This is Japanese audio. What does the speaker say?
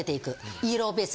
イエローベース。